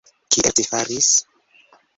Kiel ci faris?